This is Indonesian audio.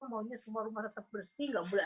maunya semua rumah tetap bersih nggak boleh